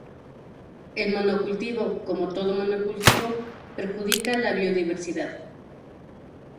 El monocultivo, como todo monocultivo, perjudica la biodiversidad.